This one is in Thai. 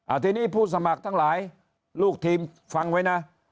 ทีนี้ผู้สมัครทั้งหลายลูกทีมฟังไว้นะ